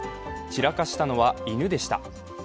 散らかしたのは、犬でした。